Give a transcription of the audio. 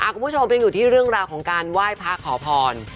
คุณผู้ชมยังอยู่ที่เรื่องราวของการไหว้พระขอพร